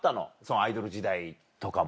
アイドル時代とかも。